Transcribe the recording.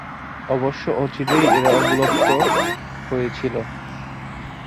অবশ্য অচিরেই এরা অবলুপ্ত হয়ে গিয়েছিল।